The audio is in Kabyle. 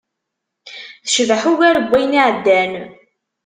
Tecbeḥ, ugar n wayen iɛeddan.